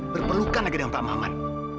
berpelukan lagi dengan pak maman